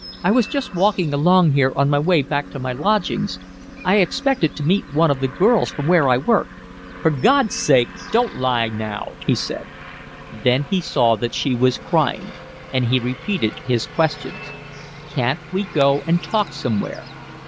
I was just walking along here on my way back to my lodgings. I expected to meet one of the girls from where I work." "For God's sake don't lie now," he said. Then he saw that she was crying, and he repeated his question. "Can't we go and talk somewhere?